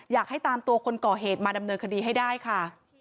อยากให้ตามตัวคนก่อเหตุมาดำเนินคดีให้ได้ค่ะ